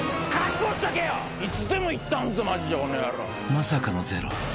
［まさかのゼロ］